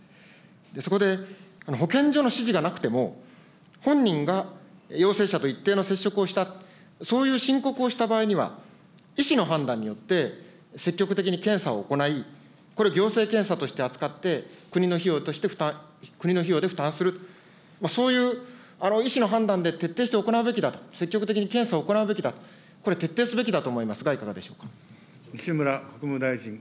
そこで保健所の指示がなくても、本人が陽性者と一定の接触をした、そういう申告をした場合には、医師の判断によって積極的に検査を行い、これ、行政検査として扱って、国の費用として、国の費用で負担する、そういう医師の判断で、徹底して行うべきだと、積極的に検査を行うべきだ、これ、徹底すべきだと思いますが、いかがでしょうか。